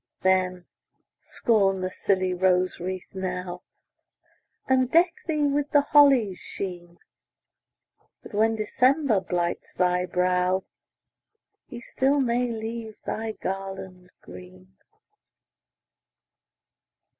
Then, scorn the silly rose wreath now, And deck thee with the holly's sheen, That, when December blights thy brow, He still may leave thy garland green.